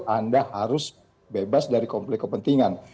anda harus bebas dari komplek kepentingan